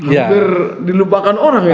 hampir dilupakan orang ya